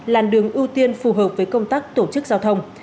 làn đường ưu tiên phù hợp với công tác tổ chức giao thông